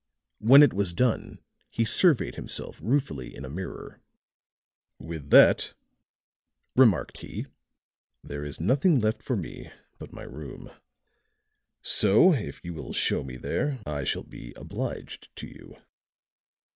When it was done he surveyed himself ruefully in a mirror. "With that," remarked he, "there is nothing left for me but my room. So if you will show me there, I shall be obliged to you."